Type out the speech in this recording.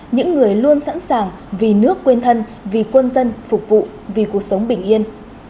những người luôn sẵn sàng vì nước quên thân vì quân dân phục vụ vì cuộc sống bình yên